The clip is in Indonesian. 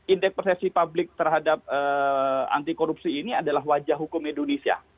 indeks persepsi publik terhadap anti korupsi ini adalah wajah hukum indonesia